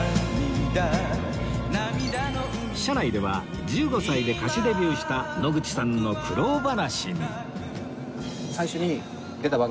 車内では１５歳で歌手デビューした野口さんの苦労話に